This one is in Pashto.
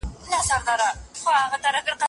ولي پوهانو پر دې موضوع نيوکي ونکړې؟